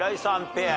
ペア。